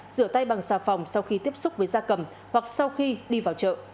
rửa tay bằng xà phòng sau khi tiếp xúc với da cầm hoặc sau khi đi vào chợ